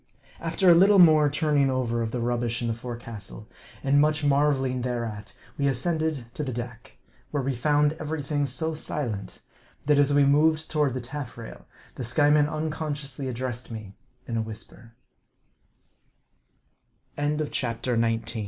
After a little more turning over of the rubbish in the fore castle, and much marveling thereat, we ascended to the deck ; where we found every thing so silent, that, as we moved toward the taffrail, the Skyeman unconsciously addressed me in a w